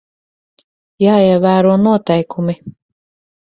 Jāievēro noteikumi.